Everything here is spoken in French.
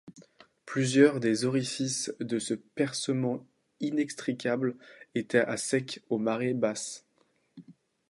Plusieurs des orifices de ce percement inextricable étaient à sec aux marées basses.